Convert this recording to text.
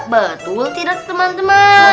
betul tidak teman teman